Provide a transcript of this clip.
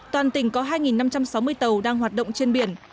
toàn tỉnh có hai năm trăm sáu mươi tàu đang hoạt động trên biển